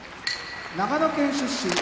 長野県出身